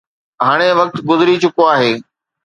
هاڻي وقت گذري چڪو آهي.